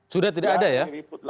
sudah tidak ada ya